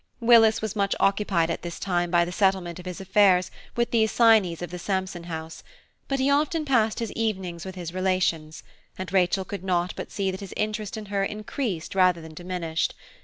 Willis was much occupied at this time by the settlement of his affairs with the assignees of the Sampson house; but he often passed his evenings with his relations, and Rachel could not but see that his interest in her increased rather than diminished.